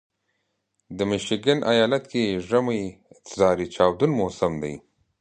د میشیګن ایالت کې ژمی زارې چاودون موسم دی.